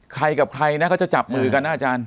ใครกับใครนะเขาจะจับมือกันนะอาจารย์